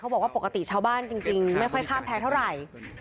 บอกว่าปกติชาวบ้านจริงไม่ค่อยข้ามแพ้เท่าไหร่